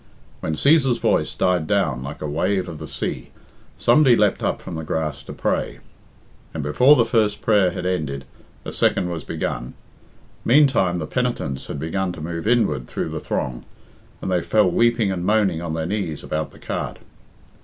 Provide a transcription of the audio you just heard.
When Cæsar's voice died down like a wave of the sea, somebody leapt up from the grass to pray. And before the first prayer had ended, a second was begun. Meantime the penitents had begun to move inward through the throng, and they fell weeping and moaning on their knees about the cart.